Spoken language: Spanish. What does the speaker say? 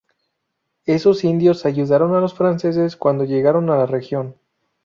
Esos indios ayudaron a los franceses cuando llegaron a la región.